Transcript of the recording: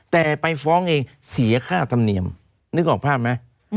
แต่ไปฟ้องเองเสียค่าธรรมเนียมนึกออกภาพไหม